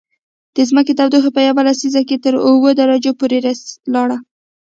د ځمکې تودوخه په یوه لسیزه کې تر اووه درجو پورته لاړه